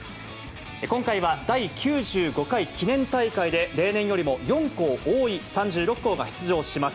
今回は第９５回記念大会で、例年よりも４校多い３６校が出場します。